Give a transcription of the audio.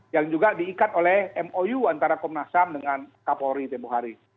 yang juga diikat oleh mou antara komnas ham dengan kapolri tempohari